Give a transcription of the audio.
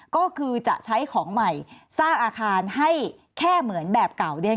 ก็คือจะใช้ของใหม่สร้างอาคารให้แค่เหมือนแบบเก่า